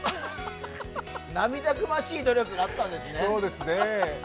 涙ぐましい努力があったんですね。